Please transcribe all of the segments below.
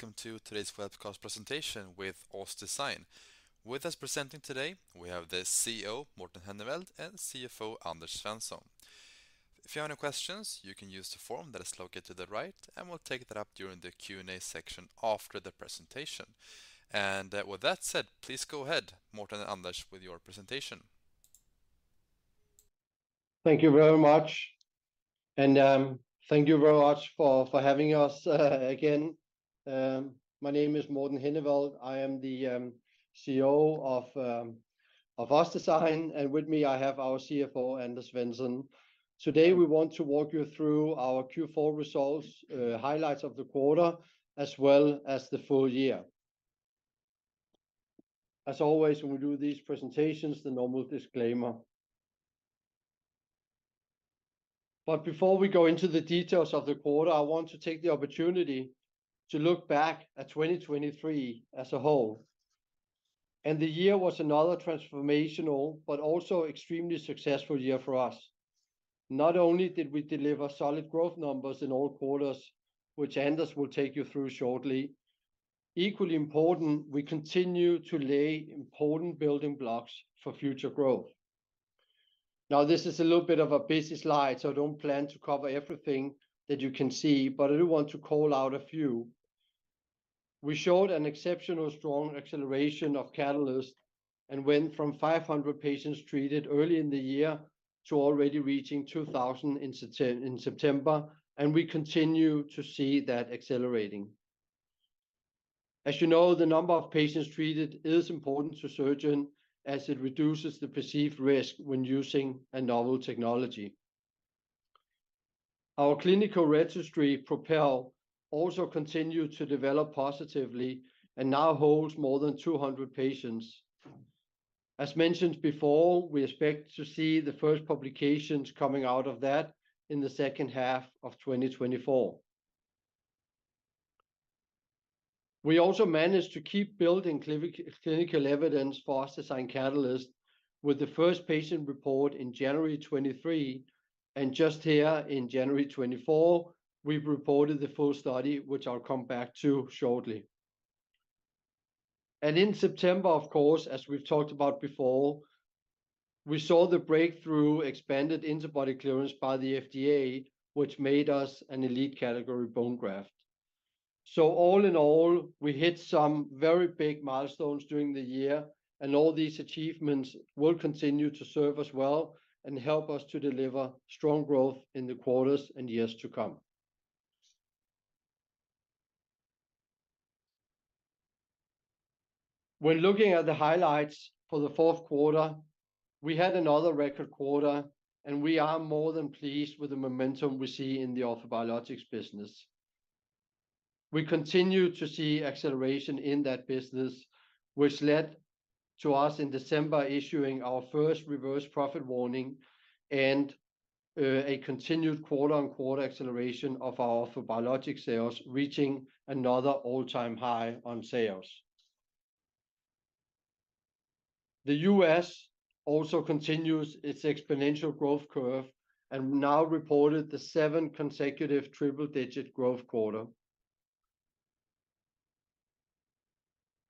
Hello, and welcome to today's webcast presentation with OssDsign. With us presenting today, we have the CEO, Morten Henneveld, and CFO, Anders Svensson. If you have any questions, you can use the form that is located to the right, and we'll take that up during the Q&A section after the presentation. And, with that said, please go ahead, Morten and Anders, with your presentation. Thank you very much, and thank you very much for having us again. My name is Morten Henneveld. I am the CEO of OssDsign, and with me, I have our CFO, Anders Svensson. Today, we want to walk you through our Q4 results, highlights of the quarter, as well as the full year. As always, when we do these presentations, the normal disclaimer. But before we go into the details of the quarter, I want to take the opportunity to look back at 2023 as a whole. The year was another transformational but also extremely successful year for us. Not only did we deliver solid growth numbers in all quarters, which Anders will take you through shortly, equally important, we continue to lay important building blocks for future growth. Now, this is a little bit of a busy slide, so I don't plan to cover everything that you can see, but I do want to call out a few. We showed an exceptional strong acceleration of Catalyst and went from 500 patients treated early in the year to already reaching 2,000 in September, and we continue to see that accelerating. As you know, the number of patients treated is important to surgeon as it reduces the perceived risk when using a novel technology. Our clinical registry, PROPEL, also continued to develop positively and now holds more than 200 patients. As mentioned before, we expect to see the first publications coming out of that in the second half of 2024. We also managed to keep building clinical evidence for OssDsign Catalyst, with the first patient report in January 2023, and just here in January 2024, we've reported the full study, which I'll come back to shortly. And in September, of course, as we've talked about before, we saw the breakthrough expanded interbody clearance by the FDA, which made us an elite category bone graft. So all in all, we hit some very big milestones during the year, and all these achievements will continue to serve us well and help us to deliver strong growth in the quarters and years to come. When looking at the highlights for the fourth quarter, we had another record quarter, and we are more than pleased with the momentum we see in the orthobiologics business. We continue to see acceleration in that business, which led to us in December issuing our first reverse profit warning and a continued quarter-on-quarter acceleration of our orthobiologics sales, reaching another all-time high on sales. The U.S. also continues its exponential growth curve and now reported the 7th consecutive triple-digit growth quarter.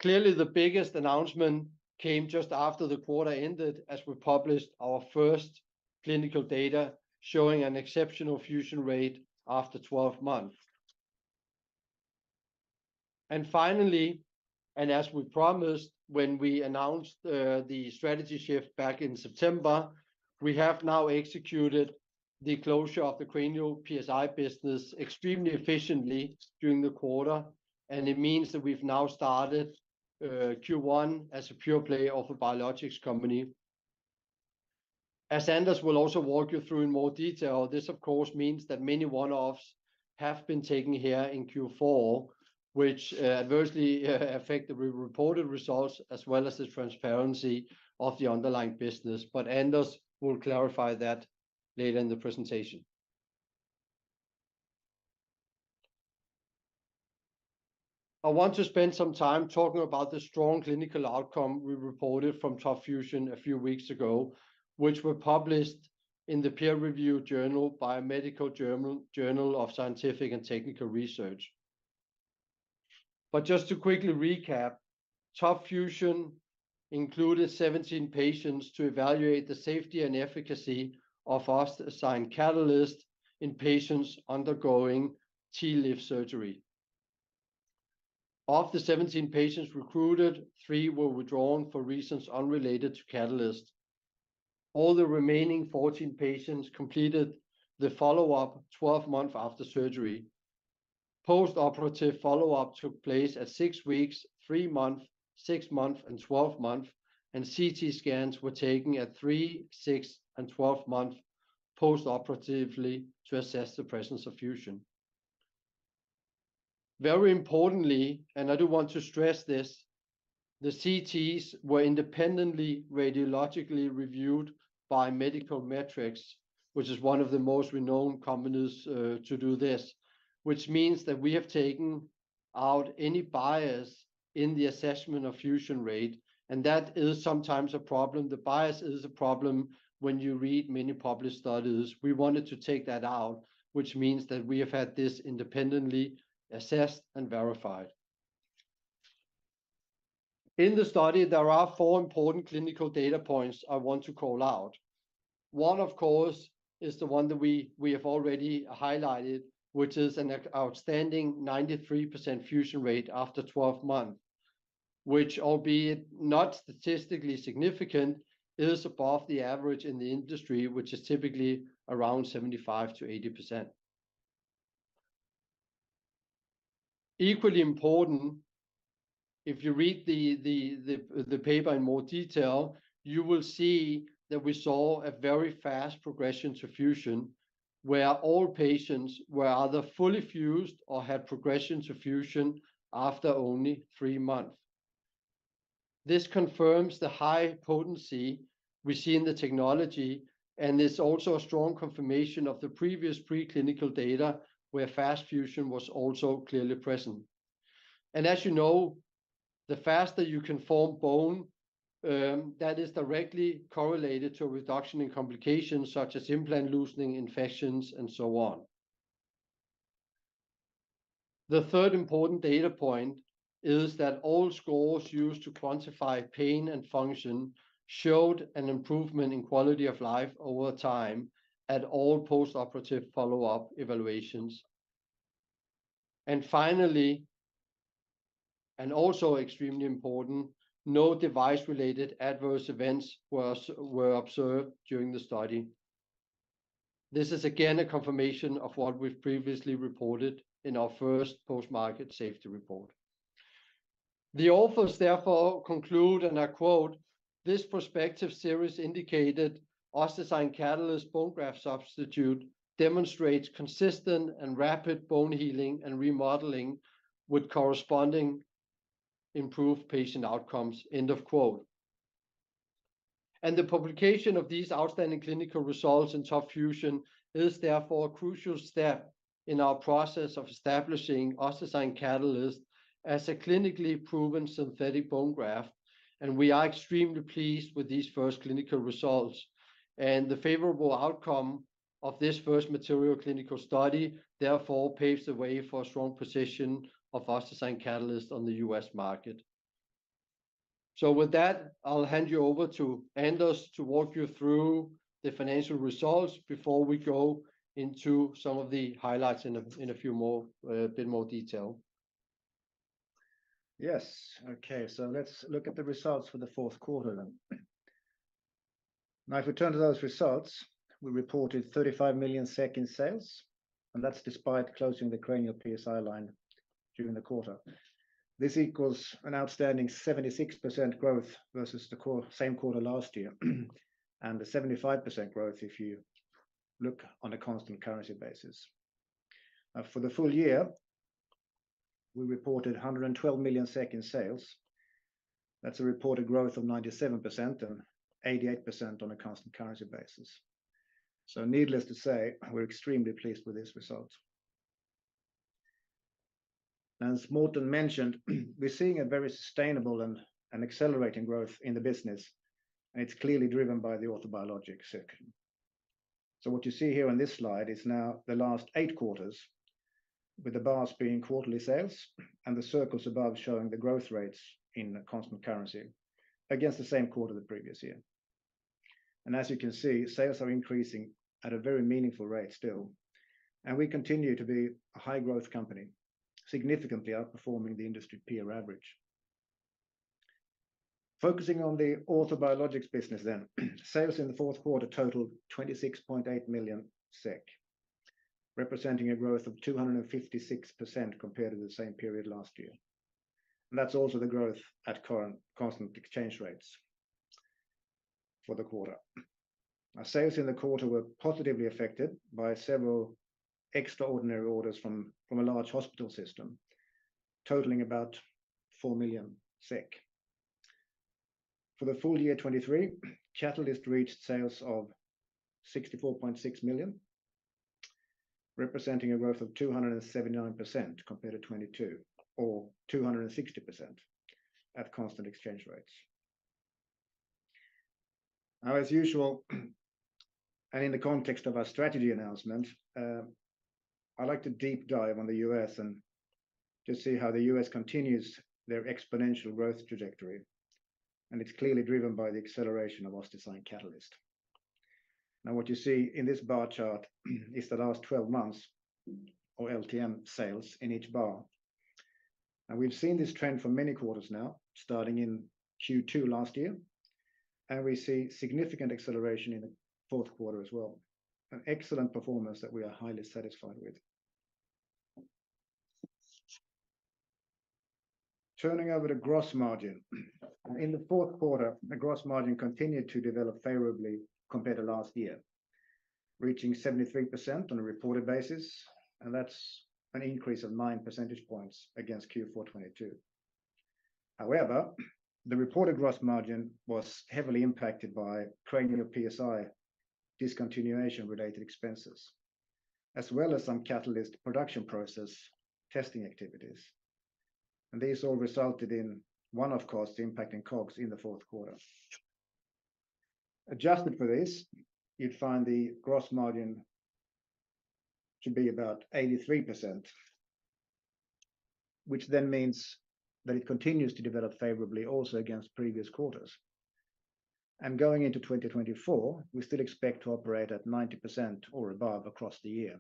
Clearly, the biggest announcement came just after the quarter ended, as we published our first clinical data showing an exceptional fusion rate after 12 months. And finally, and as we promised when we announced the strategy shift back in September, we have now executed the closure of the Cranial PSI business extremely efficiently during the quarter, and it means that we've now started Q1 as a pure play of an orthobiologics company. As Anders will also walk you through in more detail, this of course means that many one-offs have been taken here in Q4, which adversely affect the re-reported results as well as the transparency of the underlying business, but Anders will clarify that later in the presentation. I want to spend some time talking about the strong clinical outcome we reported from TOP FUSION a few weeks ago, which were published in the peer-review journal, Biomedical Journal of Scientific & Technical Research. But just to quickly recap, TOP FUSION included 17 patients to evaluate the safety and efficacy of OssDsign Catalyst in patients undergoing TLIF surgery. Of the 17 patients recruited, 3 were withdrawn for reasons unrelated to Catalyst. All the remaining 14 patients completed the follow-up 12 months after surgery. Post-operative follow-up took place at 6 weeks, 3 months, 6 months, and 12 months, and CT scans were taken at 3, 6, and 12 months post-operatively to assess the presence of fusion. Very importantly, and I do want to stress this, the CTs were independently radiologically reviewed by Medical Metrics, which is one of the most renowned companies to do this, which means that we have taken out any bias in the assessment of fusion rate, and that is sometimes a problem. The bias is a problem when you read many published studies. We wanted to take that out, which means that we have had this independently assessed and verified.... In the study, there are four important clinical data points I want to call out. One, of course, is the one that we have already highlighted, which is an outstanding 93% fusion rate after 12 months, which, albeit not statistically significant, is above the average in the industry, which is typically around 75%-80%. Equally important, if you read the paper in more detail, you will see that we saw a very fast progression to fusion, where all patients were either fully fused or had progression to fusion after only 3 months. This confirms the high potency we see in the technology, and it's also a strong confirmation of the previous preclinical data, where fast fusion was also clearly present. As you know, the faster you can form bone, that is directly correlated to a reduction in complications such as implant loosening, infections, and so on. The third important data point is that all scores used to quantify pain and function showed an improvement in quality of life over time at all post-operative follow-up evaluations. And finally, and also extremely important, no device-related adverse events were observed during the study. This is, again, a confirmation of what we've previously reported in our first post-market safety report. The authors therefore conclude, and I quote, "This prospective series indicated OssDsign Catalyst Bone Graft Substitute demonstrates consistent and rapid bone healing and remodeling, with corresponding improved patient outcomes." End of quote. And the publication of these outstanding clinical results in TOP FUSION is therefore a crucial step in our process of establishing OssDsign Catalyst as a clinically proven synthetic bone graft, and we are extremely pleased with these first clinical results. The favorable outcome of this first material clinical study therefore paves the way for a strong position of OssDsign Catalyst on the U.S. market. So with that, I'll hand you over to Anders to walk you through the financial results before we go into some of the highlights in a bit more detail. Yes. Okay, so let's look at the results for the fourth quarter then. Now, if we turn to those results, we reported 35 million in sales, and that's despite closing the Cranial PSI line during the quarter. This equals an outstanding 76% growth versus the same quarter last year, and a 75% growth if you look on a constant currency basis. For the full year, we reported 112 million in sales. That's a reported growth of 97%, and 88% on a constant currency basis. So needless to say, we're extremely pleased with this result. As Morten mentioned, we're seeing a very sustainable and accelerating growth in the business, and it's clearly driven by the orthobiologics segment. So what you see here on this slide is now the last eight quarters, with the bars being quarterly sales and the circles above showing the growth rates in constant currency against the same quarter the previous year. And as you can see, sales are increasing at a very meaningful rate still, and we continue to be a high-growth company, significantly outperforming the industry peer average. Focusing on the orthobiologics business then, sales in the fourth quarter totaled 26.8 million SEK, representing a growth of 256% compared to the same period last year, and that's also the growth at current constant exchange rates for the quarter. Our sales in the quarter were positively affected by several extraordinary orders from a large hospital system, totaling about 4 million SEK. For the full year 2023, Catalyst reached sales of 64.6 million, representing a growth of 279% compared to 2022, or 260% at constant exchange rates. Now, as usual, and in the context of our strategy announcement, I'd like to deep dive on the US and to see how the US continues their exponential growth trajectory, and it's clearly driven by the acceleration of OssDsign Catalyst. Now, what you see in this bar chart is the last twelve months, or LTM, sales in each bar. And we've seen this trend for many quarters now, starting in Q2 last year, and we see significant acceleration in the fourth quarter as well, an excellent performance that we are highly satisfied with. Turning over to gross margin. In the fourth quarter, the gross margin continued to develop favorably compared to last year, reaching 73% on a reported basis, and that's an increase of 9 percentage points against Q4 2022. However, the reported gross margin was heavily impacted by Cranial PSI discontinuation-related expenses, as well as some Catalyst production process testing activities, and these all resulted in one, of course, impacting COGS in the fourth quarter. Adjusted for this, you'd find the gross margin to be about 83%, which then means that it continues to develop favorably also against previous quarters. And going into 2024, we still expect to operate at 90% or above across the year.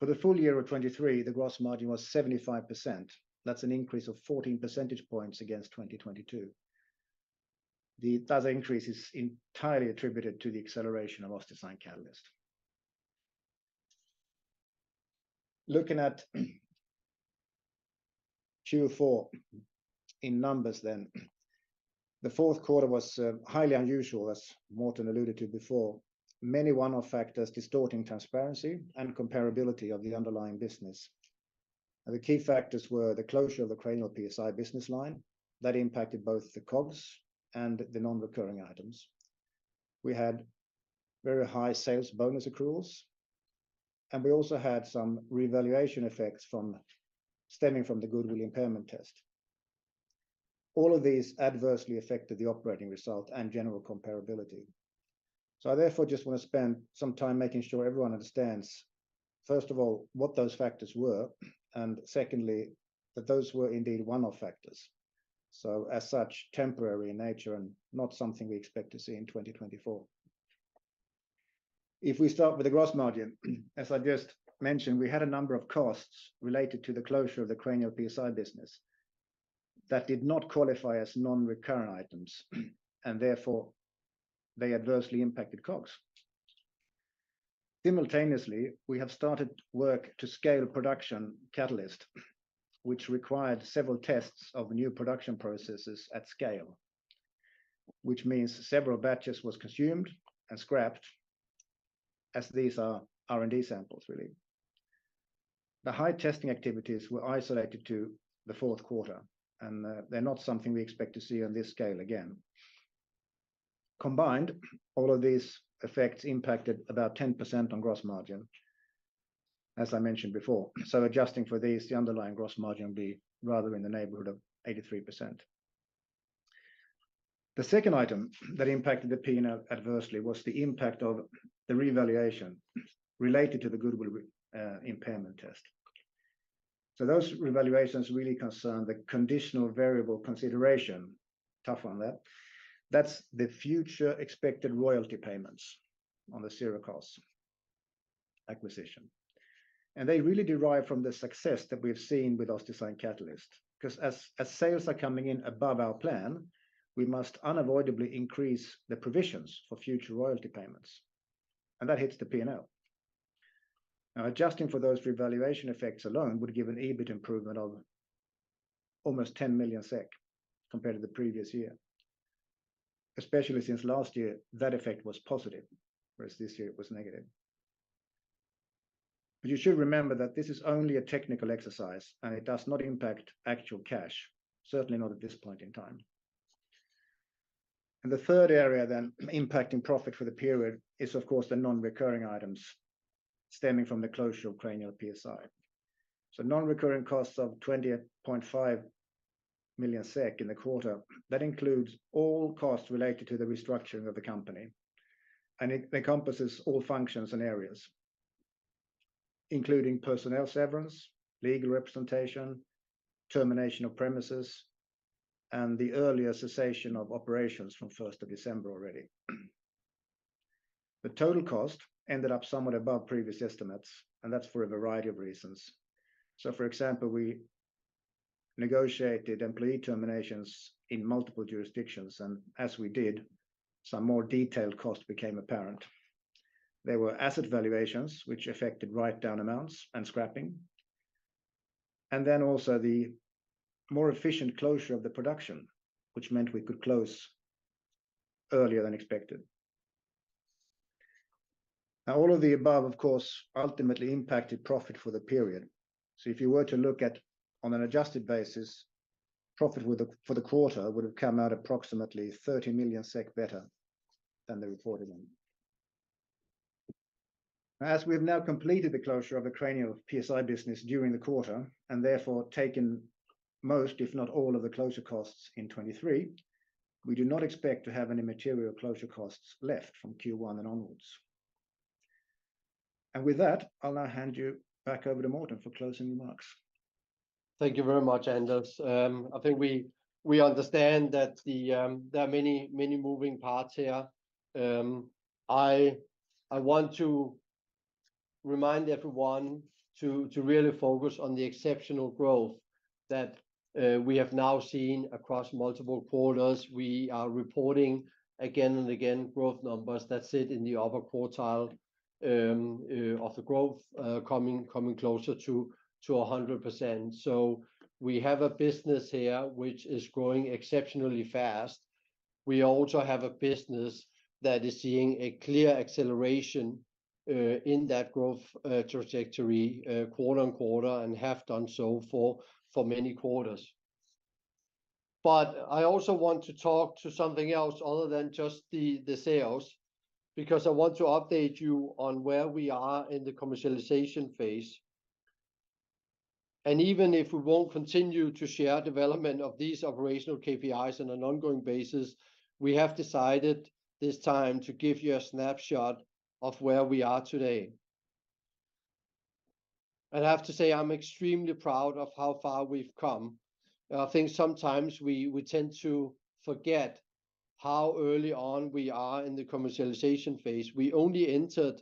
For the full year of 2023, the gross margin was 75%. That's an increase of 14 percentage points against 2022. That increase is entirely attributed to the acceleration of OssDsign Catalyst. Looking at Q4 in numbers then, the fourth quarter was highly unusual, as Morten alluded to before. Many one-off factors distorting transparency and comparability of the underlying business. The key factors were the closure of the Cranial PSI business line that impacted both the COGS and the non-recurring items. We had very high sales bonus accruals, and we also had some revaluation effects from stemming from the goodwill impairment test. All of these adversely affected the operating result and general comparability. I therefore just want to spend some time making sure everyone understands, first of all, what those factors were, and secondly, that those were indeed one-off factors, so as such, temporary in nature and not something we expect to see in 2024. If we start with the gross margin, as I just mentioned, we had a number of costs related to the closure of the Cranial PSI business that did not qualify as non-recurrent items, and therefore they adversely impacted COGS. Simultaneously, we have started work to scale production Catalyst, which required several tests of new production processes at scale, which means several batches was consumed and scrapped, as these are R&D samples, really. The high testing activities were isolated to the fourth quarter, and, they're not something we expect to see on this scale again. Combined, all of these effects impacted about 10% on gross margin, as I mentioned before. So adjusting for these, the underlying gross margin would be rather in the neighborhood of 83%. The second item that impacted the P&L adversely was the impact of the revaluation related to the goodwill, impairment test. So those revaluations really concern the conditional variable consideration. Touch on that. That's the future expected royalty payments on the Sirakoss acquisition. And they really derive from the success that we've seen with OssDsign Catalyst, 'cause as, as sales are coming in above our plan, we must unavoidably increase the provisions for future royalty payments, and that hits the P&L. Now, adjusting for those revaluation effects alone would give an EBIT improvement of almost 10 million SEK compared to the previous year. Especially since last year, that effect was positive, whereas this year it was negative. But you should remember that this is only a technical exercise, and it does not impact actual cash, certainly not at this point in time. And the third area then impacting profit for the period is, of course, the non-recurring items stemming from the closure of Cranial PSI. So non-recurring costs of 20.5 million SEK in the quarter. That includes all costs related to the restructuring of the company, and it encompasses all functions and areas, including personnel severance, legal representation, termination of premises, and the earlier cessation of operations from first of December already. The total cost ended up somewhat above previous estimates, and that's for a variety of reasons. So, for example, we negotiated employee terminations in multiple jurisdictions, and as we did, some more detailed costs became apparent. There were asset valuations which affected write-down amounts and scrapping, and then also the more efficient closure of the production, which meant we could close earlier than expected. Now, all of the above, of course, ultimately impacted profit for the period. So if you were to look at, on an adjusted basis, profit for the quarter would have come out approximately 30 million SEK better than the reported one. As we've now completed the closure of the Cranial PSI business during the quarter and therefore taken most, if not all, of the closure costs in 2023, we do not expect to have any material closure costs left from Q1 and onwards. And with that, I'll now hand you back over to Morten for closing remarks. Thank you very much, Anders. I think we understand that there are many, many moving parts here. I want to remind everyone to really focus on the exceptional growth that we have now seen across multiple quarters. We are reporting again and again growth numbers. That's it in the upper quartile of the growth coming closer to 100%. So we have a business here which is growing exceptionally fast. We also have a business that is seeing a clear acceleration in that growth trajectory quarter on quarter and have done so for many quarters. But I also want to talk to something else other than just the sales, because I want to update you on where we are in the commercialization phase. Even if we won't continue to share development of these operational KPIs on an ongoing basis, we have decided this time to give you a snapshot of where we are today. I'd have to say I'm extremely proud of how far we've come. I think sometimes we tend to forget how early on we are in the commercialization phase. We only entered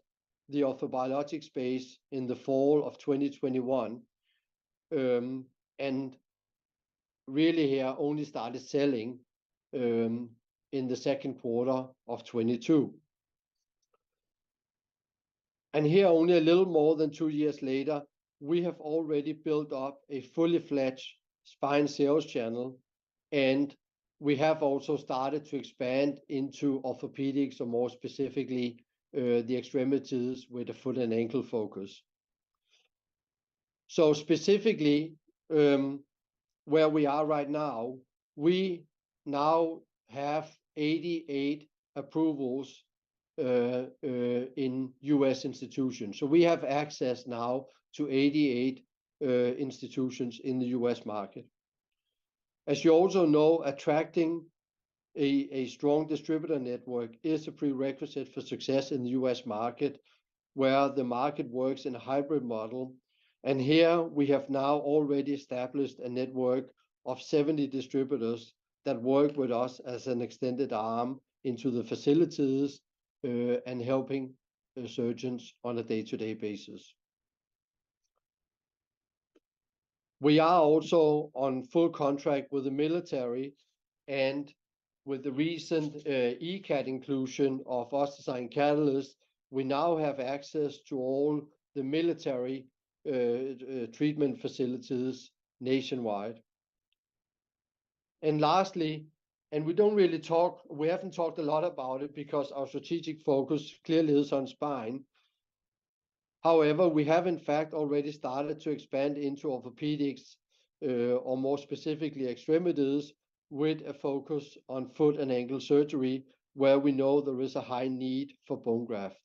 the orthobiologics space in the fall of 2021, and really here only started selling in the second quarter of 2022. Here, only a little more than 2 years later, we have already built up a fully-fledged spine sales channel, and we have also started to expand into orthopedics, or more specifically, the extremities with the foot and ankle focus. Specifically, where we are right now, we now have 88 approvals in U.S. institutions. So we have access now to 88 institutions in the U.S. market. As you also know, attracting a strong distributor network is a prerequisite for success in the U.S. market, where the market works in a hybrid model. And here we have now already established a network of 70 distributors that work with us as an extended arm into the facilities, and helping the surgeons on a day-to-day basis. We are also on full contract with the military, and with the recent ECAT inclusion of OssDsign Catalyst, we now have access to all the military treatment facilities nationwide. And lastly, and we don't really talk... We haven't talked a lot about it because our strategic focus clearly is on spine. However, we have in fact already started to expand into orthopedics, or more specifically, extremities, with a focus on foot and ankle surgery, where we know there is a high need for bone graft.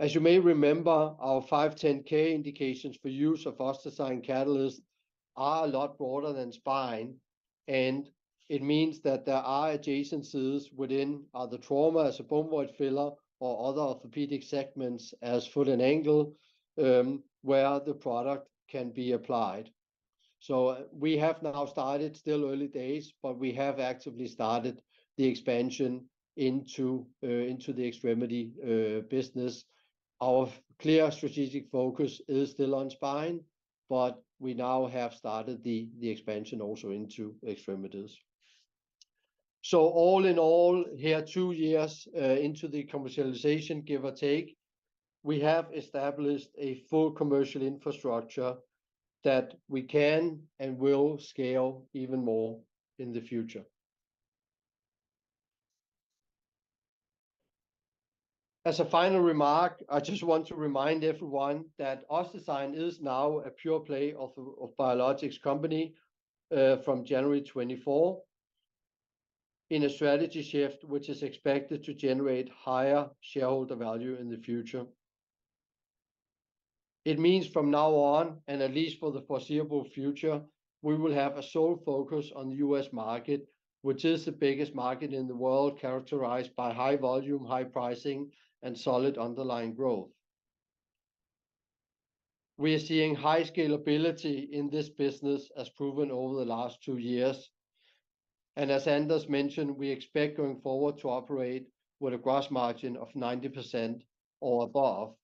As you may remember, our 510(k) indications for use of OssDsign Catalyst are a lot broader than spine, and it means that there are adjacencies within either trauma as a bone void filler or other orthopedic segments as foot and ankle, where the product can be applied. So we have now started, still early days, but we have actively started the expansion into the extremity business. Our clear strategic focus is still on spine, but we now have started the expansion also into extremities. So all in all, here, two years into the commercialization, give or take, we have established a full commercial infrastructure that we can and will scale even more in the future. As a final remark, I just want to remind everyone that OssDsign is now a pure play orthobiologics company, from January 2024, in a strategy shift, which is expected to generate higher shareholder value in the future. It means from now on, and at least for the foreseeable future, we will have a sole focus on the US market, which is the biggest market in the world, characterized by high volume, high pricing, and solid underlying growth. We are seeing high scalability in this business, as proven over the last two years, and as Anders mentioned, we expect, going forward, to operate with a gross margin of 90% or above.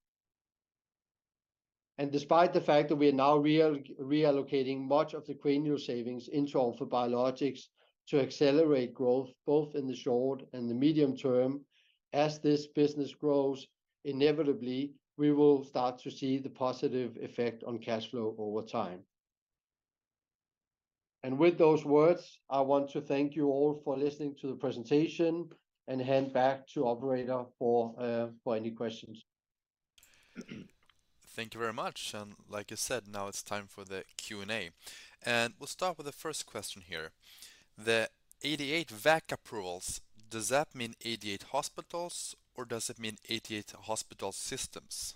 Despite the fact that we are now reallocating much of the Q3 savings into orthobiologics to accelerate growth, both in the short and the medium term, as this business grows, inevitably, we will start to see the positive effect on cash flow over time. And with those words, I want to thank you all for listening to the presentation and hand back to the operator for any questions. Thank you very much, and like you said, now it's time for the Q&A. And we'll start with the first question here: the 88 VAC approvals, does that mean 88 hospitals or does it mean 88 hospital systems?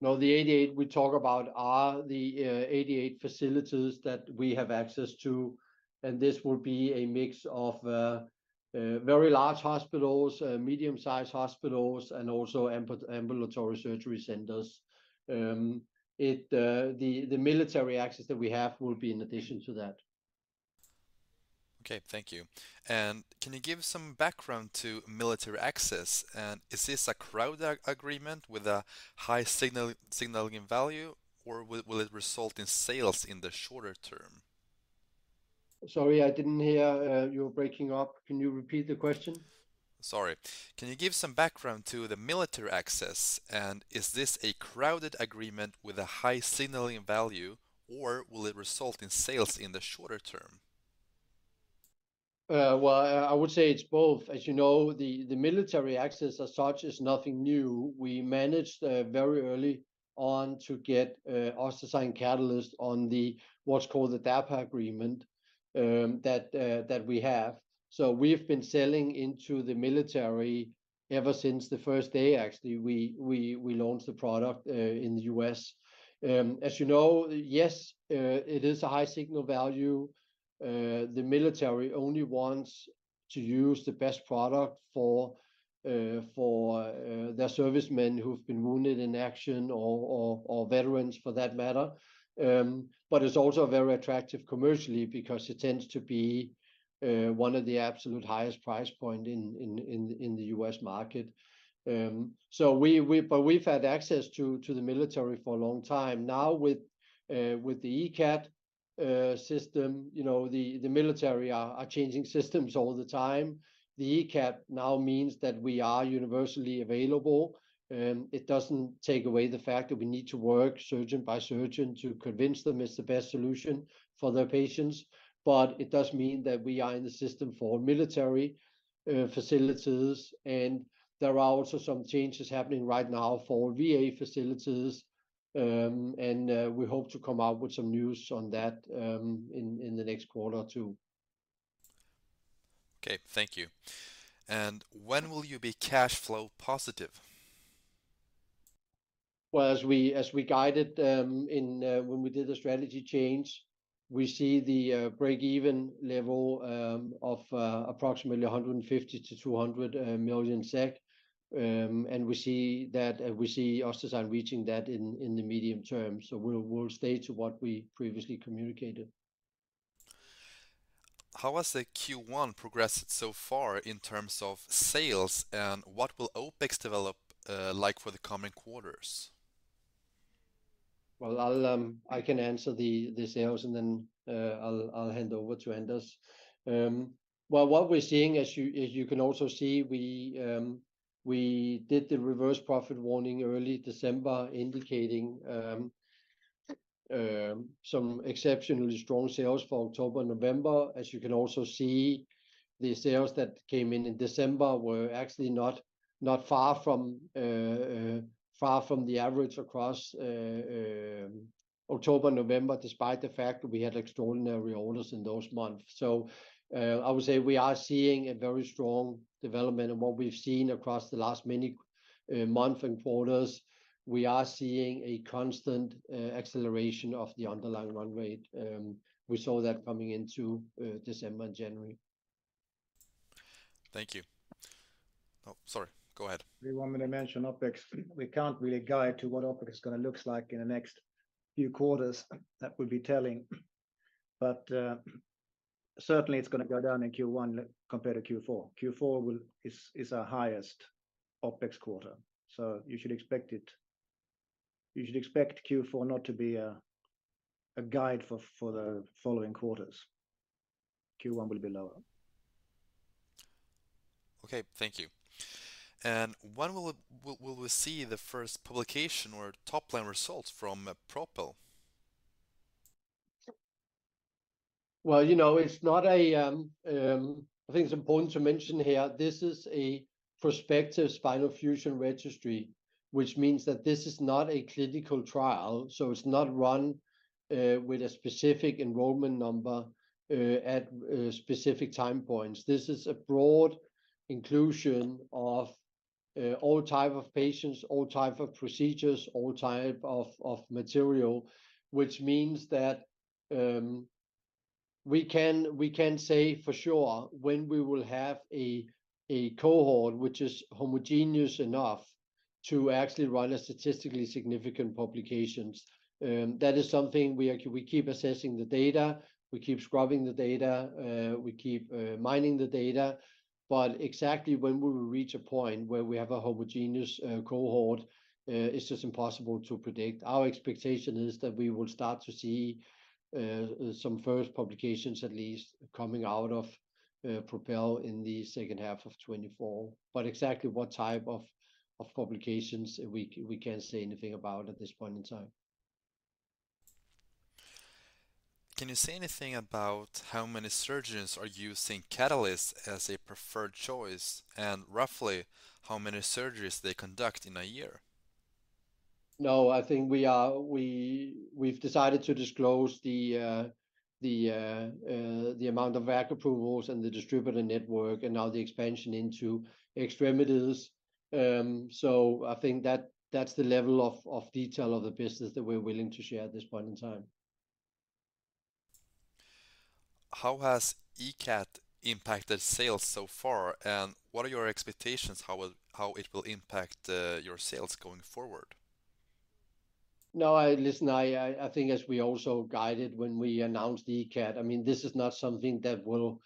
No, the 88 we talk about are the 88 facilities that we have access to, and this will be a mix of very large hospitals, medium-sized hospitals, and also ambulatory surgery centers. The military access that we have will be in addition to that. Okay. Thank you. Can you give some background to military access? Is this a DAPA agreement with a high signaling value, or will it result in sales in the shorter term? Sorry, I didn't hear. You're breaking up. Can you repeat the question? Sorry. Can you give some background to the military access, and is this a DAPA agreement with a high signaling value, or will it result in sales in the shorter term? ... well, I would say it's both. As you know, the military access as such is nothing new. We managed very early on to get OssDsign Catalyst on the what's called the DAPA agreement, that we have. So we've been selling into the military ever since the first day, actually, we launched the product in the U.S. As you know, yes, it is a high signal value. The military only wants to use the best product for their servicemen who've been wounded in action or veterans for that matter. But it's also very attractive commercially because it tends to be one of the absolute highest price point in the U.S. market. But we've had access to the military for a long time. Now with the ECAT system, you know, the military are changing systems all the time. The ECAT now means that we are universally available. It doesn't take away the fact that we need to work surgeon by surgeon to convince them it's the best solution for their patients, but it does mean that we are in the system for military facilities, and there are also some changes happening right now for VA facilities. We hope to come out with some news on that in the next quarter or two. Okay, thank you. When will you be cash flow positive? Well, as we, as we guided, when we did the strategy change, we see the break-even level of approximately 150-200 million SEK. And we see that we see OssDsign reaching that in the medium term. So we'll stay to what we previously communicated. How has the Q1 progressed so far in terms of sales, and what will OpEx develop like for the coming quarters? Well, I'll answer the sales, and then I'll hand over to Anders. Well, what we're seeing, as you can also see, we did the reverse profit warning early December, indicating some exceptionally strong sales for October and November. As you can also see, the sales that came in in December were actually not far from the average across October, November, despite the fact that we had extraordinary orders in those months. So, I would say we are seeing a very strong development in what we've seen across the last many months and quarters. We are seeing a constant acceleration of the underlying run rate. We saw that coming into December and January. Thank you. Oh, sorry, go ahead. You want me to mention OpEx? We can't really guide to what OpEx is gonna look like in the next few quarters. That would be telling. But certainly it's gonna go down in Q1 compared to Q4. Q4 is our highest OpEx quarter, so you should expect it. You should expect Q4 not to be a guide for the following quarters. Q1 will be lower. Okay, thank you. When will we see the first publication or top-line results from PROPEL? Well, you know, it's not a—I think it's important to mention here, this is a prospective spinal fusion registry, which means that this is not a clinical trial, so it's not run with a specific enrollment number at specific time points. This is a broad inclusion of all type of patients, all type of procedures, all type of material, which means that we can say for sure when we will have a cohort which is homogeneous enough to actually run a statistically significant publications. That is something we are—we keep assessing the data, we keep scrubbing the data, we keep mining the data, but exactly when we will reach a point where we have a homogeneous cohort, it's just impossible to predict. Our expectation is that we will start to see some first publications at least coming out of PROPEL in the second half of 2024, but exactly what type of publications we can't say anything about at this point in time. Can you say anything about how many surgeons are using Catalyst as a preferred choice, and roughly how many surgeries they conduct in a year? No, I think we are, we've decided to disclose the amount of approvals and the distributor network and now the expansion into extremities. So I think that that's the level of detail of the business that we're willing to share at this point in time. How has ECAT impacted sales so far, and what are your expectations how it will impact your sales going forward? No, listen, I think as we also guided when we announced the ECAT, I mean, this is not something that will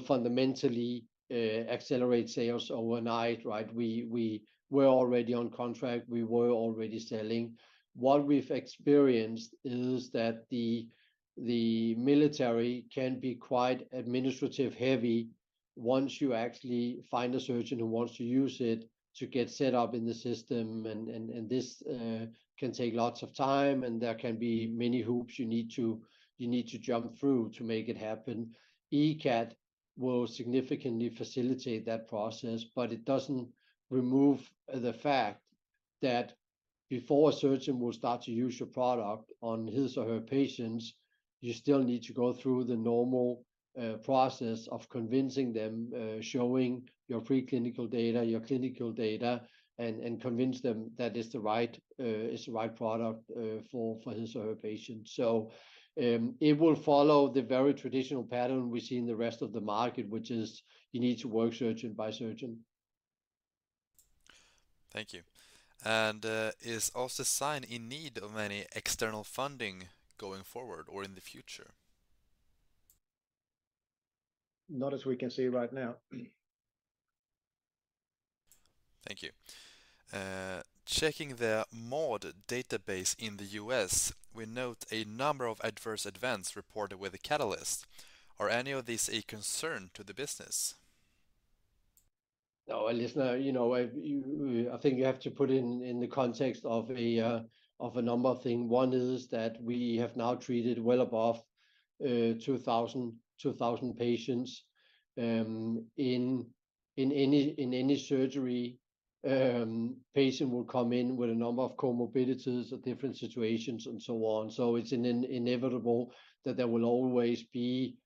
fundamentally accelerate sales overnight, right? We were already on contract. We were already selling. What we've experienced is that the military can be quite administrative-heavy once you actually find a surgeon who wants to use it to get set up in the system, and this can take lots of time, and there can be many hoops you need to jump through to make it happen. ECAT will significantly facilitate that process, but it doesn't remove the fact that before a surgeon will start to use your product on his or her patients, you still need to go through the normal process of convincing them, showing your preclinical data, your clinical data, and convince them that it's the right, it's the right product, for his or her patient. So, it will follow the very traditional pattern we see in the rest of the market, which is you need to work surgeon by surgeon. Thank you. Is OssDsign in need of any external funding going forward or in the future? Not as we can see right now. Thank you. Checking the MAUDE database in the U.S., we note a number of adverse events reported with the Catalyst. Are any of these a concern to the business? No, well, listen, you know, I think you have to put it in the context of a number of things. One is that we have now treated well above 2,000 patients. In any surgery, patient will come in with a number of comorbidities or different situations and so on. So it's inevitable that there will always be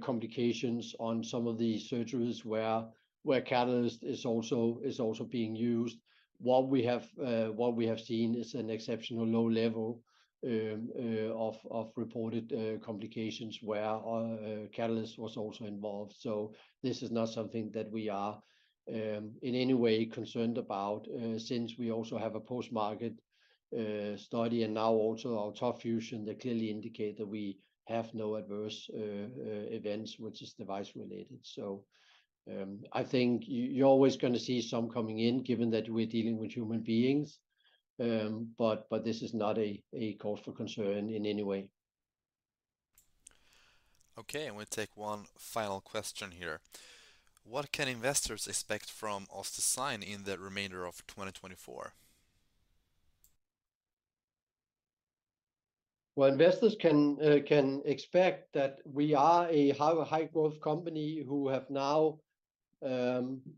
complications on some of these surgeries where Catalyst is also being used. What we have seen is an exceptional low level of reported complications where Catalyst was also involved, so this is not something that we are in any way concerned about, since we also have a post-market study and now also our TOP FUSION that clearly indicate that we have no adverse events, which is device related. So, I think you're always gonna see some coming in, given that we're dealing with human beings. But this is not a cause for concern in any way. Okay, and we'll take one final question here. What can investors expect from OssDsign in the remainder of 2024? Well, investors can expect that we are a high, high-growth company who have now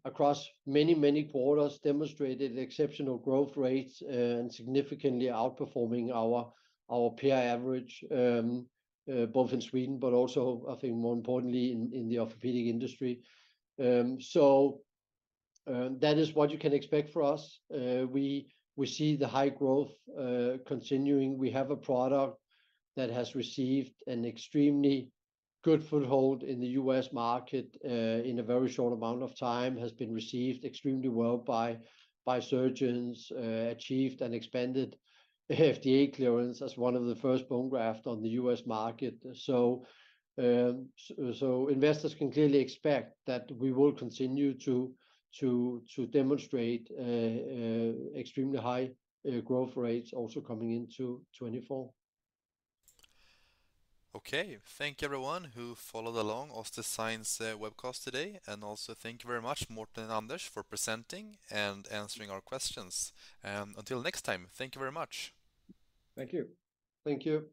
across many, many quarters demonstrated exceptional growth rates and significantly outperforming our peer average both in Sweden, but also, I think more importantly, in the orthopedic industry. So, that is what you can expect for us. We see the high growth continuing. We have a product that has received an extremely good foothold in the US market in a very short amount of time, has been received extremely well by surgeons, achieved an expanded FDA clearance as one of the first bone graft on the US market. So, investors can clearly expect that we will continue to demonstrate extremely high growth rates also coming into 2024. Okay. Thank you, everyone, who followed along OssDsign's webcast today. And also thank you very much, Morten and Anders, for presenting and answering our questions. And until next time, thank you very much. Thank you. Thank you.